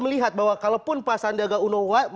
melihat bahwa kalaupun pak sandiaga uno